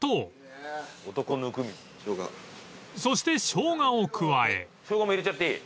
［そしてショウガを加え］ショウガも入れちゃっていい。